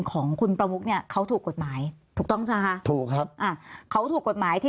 ของคุณประมุกเนี่ยเขาถูกกฎหมาย